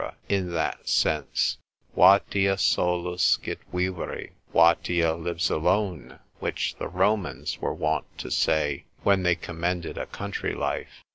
in that sense, Vatia solus scit vivere, Vatia lives alone, which the Romans were wont to say, when they commended a country life.